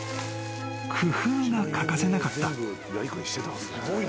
［工夫が欠かせなかった］